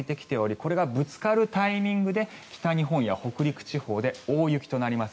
これがぶつかるタイミングで北日本や北陸地方で大雪となります。